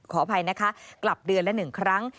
ขออภัยนะคะกลับเดือนละ๑ครั้ง